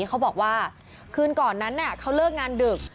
เขาบอกว่าคืนก่อนนั้นเขาเลิกงานดึก